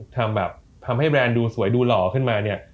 ทำแบบทำให้แบรนด์ดูสวยดูหล่อขึ้นมาเนี่ย